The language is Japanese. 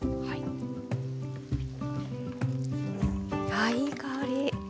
あいい香り。